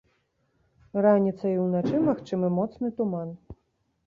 Раніцай і ўначы магчымы моцны туман.